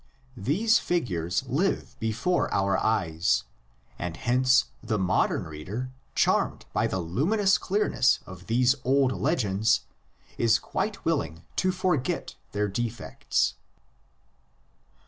These figures live before our eyes, and hence the modern reader, charmed by the luminous clearness of these old legends, is quite willing to forget their defects.